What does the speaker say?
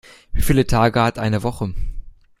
Wie viele Tage hat eine Woche?